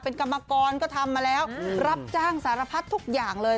เป็นกรรมกรก็ทำมาแล้วรับจ้างสารพัดทุกอย่างเลย